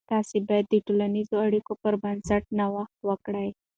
تاسې باید د ټولنیزو اړیکو پر بنسټ نوښت وکړئ.